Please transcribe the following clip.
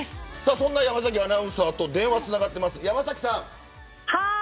そんな山崎アナウンサーと電話つながってます。